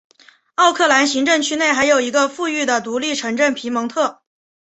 奥克兰行政区内还有一个富裕的独立城镇皮蒙特。